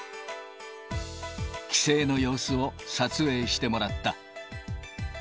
帰省の様子を撮影してもらった。